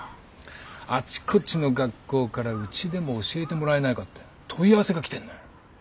あちこちの学校からうちでも教えてもらえないかって問い合わせが来てんのよ。